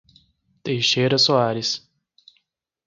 Teixeira Soares